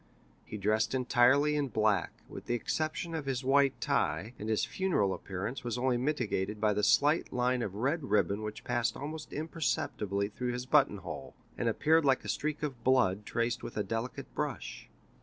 He dressed entirely in black, with the exception of his white tie, and his funeral appearance was only mitigated by the slight line of red ribbon which passed almost imperceptibly through his button hole, and appeared like a streak of blood traced with a delicate brush.